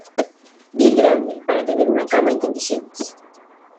bien grande, para tener una cama en condiciones